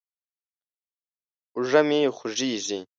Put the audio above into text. اوږه مې خوږېږي.